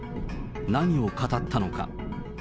何を語ったのか。